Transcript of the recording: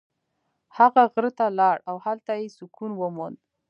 هغه غره ته لاړ او هلته یې سکون وموند.